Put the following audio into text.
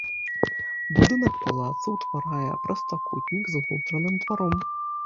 Будынак палаца ўтварае прастакутнік з унутраным дваром.